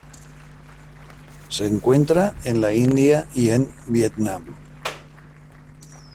Se encuentra en la India y en Vietnam.